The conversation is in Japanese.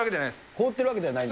凍ってるわけではない。